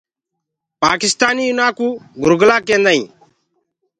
پآڪِستآنيٚ انآ ڪوُ گُرگلآ ڪينٚدآئينٚ پر